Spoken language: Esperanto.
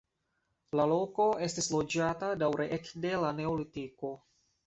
La loko estis loĝata daŭre ekde la neolitiko.